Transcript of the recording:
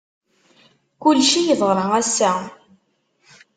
Kulci yeḍra ass-a.